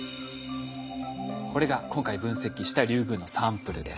これが今回分析したリュウグウのサンプルです。